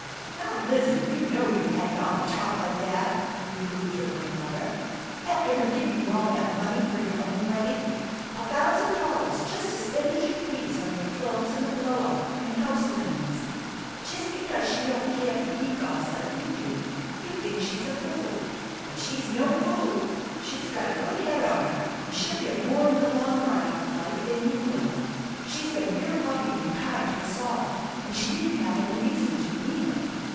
"Now, Lizzie, you know you hadn't oughtta talk like that!" reproved her grandmother, "After her giving you all that money fer your own wedding. A thousand dollars just to spend as you please on your cloes and a blow out, and house linens. Jest because she don't care for gewgaws like you do, you think she's a fool. But she's no fool. She's got a good head on her, and she'll get more in the long run out of life than you will. She's been real loving and kind to us all, and she didn't have any reason to neither.